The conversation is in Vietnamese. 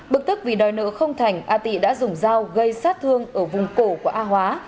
bực tức vì đòi nợ không thành a tị đã dùng dao gây sát thương ở vùng cổ của a hóa